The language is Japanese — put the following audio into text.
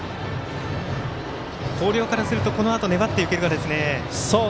広陵からすると、これから粘っていけるかですね。